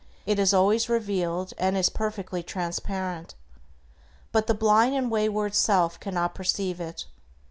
It is always revealed and is perfectly transparent. But the blind and wayward self cannot perceive it.